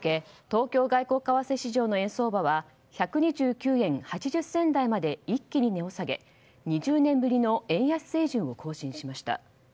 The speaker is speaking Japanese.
東京外国為替市場の円相場は１２９円８０銭台まで一気に値を下げ２０年ぶりの円安い水準を更新しました。